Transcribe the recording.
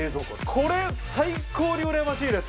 これ最高にうらやましいです。